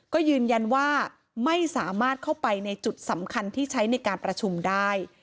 ก็ยืนยันว่าไม่สามารถเข้าไปในจุดสำคัญที่ใช้ในการประชุมได้